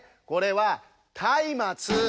これはたいまつ。